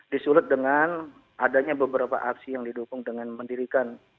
disulut dengan adanya beberapa aksi yang didukung dengan mendirikan